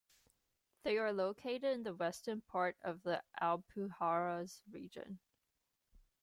They are located in the western part of the Alpujarras region.